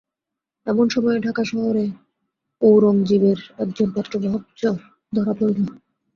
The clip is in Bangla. এমন সময়ে ঢাকা শহরে ঔরংজীবের একজন পত্রবাহক চর ধরা পড়িল।